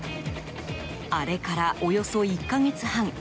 あれから、およそ１か月半。